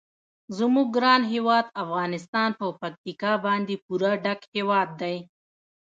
زموږ ګران هیواد افغانستان په پکتیکا باندې پوره ډک هیواد دی.